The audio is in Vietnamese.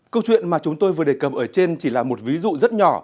câu chuyện mà chúng tôi vừa đề cập ở trên chỉ là một ví dụ rất nhỏ